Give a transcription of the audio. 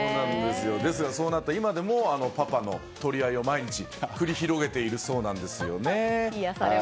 ですが、そうなった今でもパパの取り合いを毎日繰り広げているそうなんですよね。